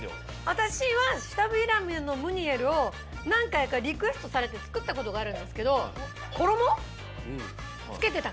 私は舌平目のムニエルを何回かリクエストされて作ったことがあるんですけど。